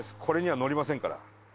これには乗りませんから。